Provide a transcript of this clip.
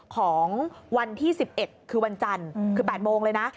ของวันที่๑๑คือวันจันทร์คือ๘โมงเลยนะ